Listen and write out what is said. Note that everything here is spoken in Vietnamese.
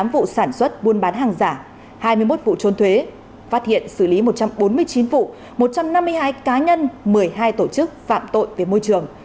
tám vụ sản xuất buôn bán hàng giả hai mươi một vụ trôn thuế phát hiện xử lý một trăm bốn mươi chín vụ một trăm năm mươi hai cá nhân một mươi hai tổ chức phạm tội về môi trường